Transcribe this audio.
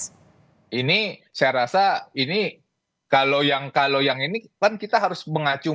gimana bang frits ini saya rasa ini kalau yang kalau yang ini kan kita harus mengacung